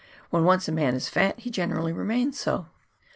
" When once a man is fat he generally remains so."